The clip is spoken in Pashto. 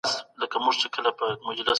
تضادونه ولې منځ ته راځي؟